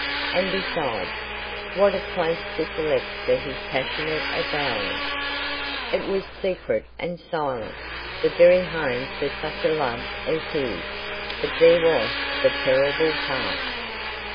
And besides, what a place to select for his passionate avowals. It was secret and silent, the very home for such a love as his; but there was the terrible past.